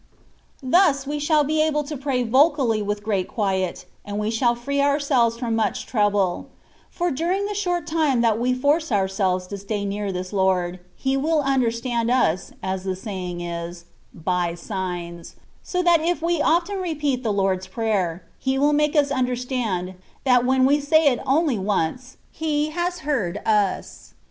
Thus we shall be able to pray vocally with great quiet, and we shall free ourselves from much trouble ; for during the short time that, we force ourselves to stay near this Lord, He will under stand us (as the saying is) " by signs,^^ so that if we were often to repeat the " Lord's Prayer," He will make us understand, that when we say it only once, He has heard us.